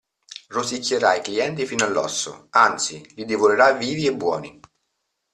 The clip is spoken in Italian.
Rosicchierà i clienti fino all'osso: anzi li divorerà vivi e buoni.